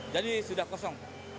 jadi sudah kosong